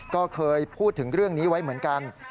ก็เคยพูดถึงเรื่องนี้ไว้เหมือนกัน